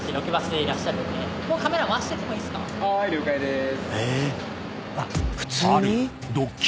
「はーい了解でーす」